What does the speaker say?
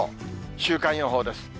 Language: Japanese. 週間予報です。